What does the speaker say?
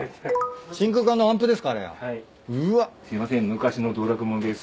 昔の道楽者です。